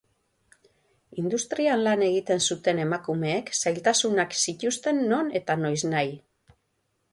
Industrian lan egiten zuten emakumeek zailtasunak zituzten non eta noiznahi.